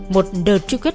một đợt truy kết